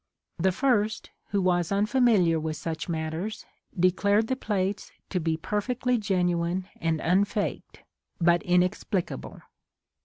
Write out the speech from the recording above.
The first, who was unfamiliar with such matters, declared the plates to be perfectly genuine and unf aked, but inexpli cable